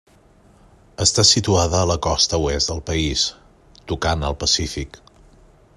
Està situada a la costa oest del país, tocant al Pacífic.